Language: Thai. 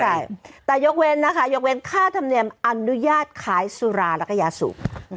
ใช่แต่ยกเว้นนะคะยกเว้นค่าธรรมเนียมอนุญาตขายสุราแล้วก็ยาสูบ